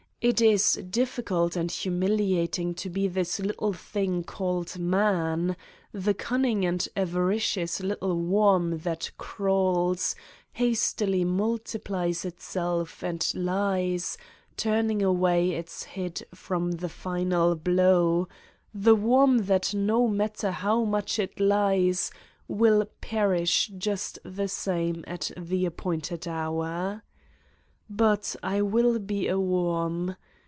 It is difficult and humiliating to be this little thing called man, the cunning and avaricious little worm that crawls, hastily multiplies itself and lies, turning away its head from the final blow the worm that no mat ter how much it lies, will perish just the same at the appointed hour. But I will be a worm.